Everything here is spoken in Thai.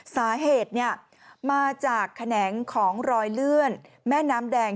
สาเหตุมาจากแขนงของรอยเลื่อนแม่น้ำแดง